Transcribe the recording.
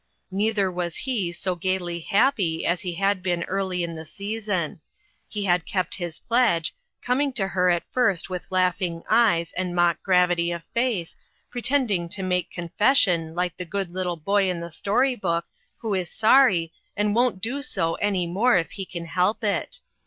Neither was he so gayly happy as he had been early in the season. He had kept his pledge, coming to her at first with laughing eyes and mock gravity of face, pretending to making confession like the good little boy in the story book, who is sorry, and won't do so any more if he can help it.